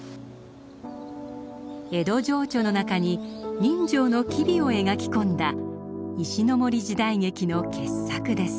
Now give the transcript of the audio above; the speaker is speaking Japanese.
江戸情緒の中に人情の機微を描き込んだ石森時代劇の傑作です。